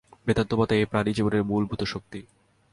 বেদান্তমতে এই প্রাণই জীবনের মূলীভূত শক্তি।